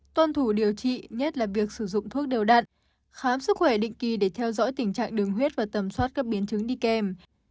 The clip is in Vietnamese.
tuân thủ điều trị nhất là việc sử dụng thuốc điều đặn khám sức khỏe định kỳ để theo dõi tình trạng đường huyết và tầm soát các biến chứng đi kèm